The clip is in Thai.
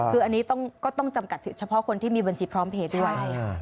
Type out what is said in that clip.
คืออันนี้ก็ต้องจำกัดสิทธิเฉพาะคนที่มีบัญชีพร้อมเพจด้วย